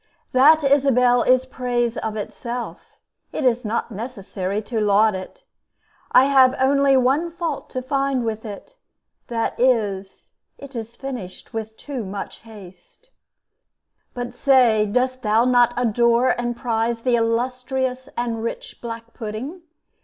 That, Isabel, is praise of itself, It is not necessary to laud it. I have only one fault to find with it, That is it is finished with too much haste. But say, dost thou not adore and prize The illustrious and rich black pudding?